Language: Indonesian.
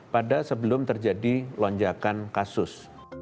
pada sebelum terjadi lonjakan kasus